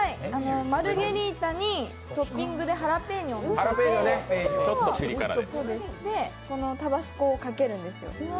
マルゲリータにトッピングでハラペーニョをのせてこのタバスコをかけるんですよ。